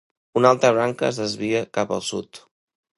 Una altra branca es desvia cap al sud.